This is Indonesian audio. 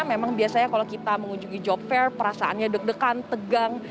memang biasanya kalau kita mengunjungi job fair perasaannya deg degan tegang